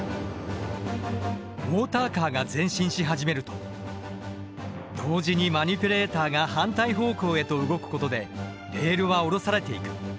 モーターカーが前進し始めると同時にマニピュレーターが反対方向へと動くことでレールは下ろされていく。